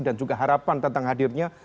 dan juga harapan tentang hadirnya